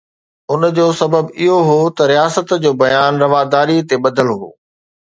ان جو سبب اهو هو ته رياست جو بيان رواداري تي ٻڌل هو.